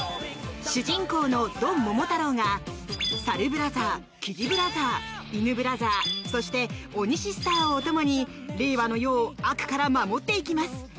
主人公のドンモモタロウがサルブラザー、キジブラザーイヌブラザーそしてオニシスターをお供に令和の世を悪から守っていきます。